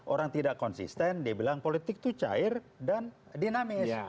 orang tidak konsisten dia bilang politik itu cair dan dinamis